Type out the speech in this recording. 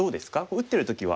打ってる時は。